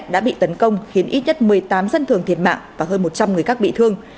đã bị tấn công khiến ít nhất một mươi tám dân thường thiệt mạng và hơn một trăm linh người các bị thương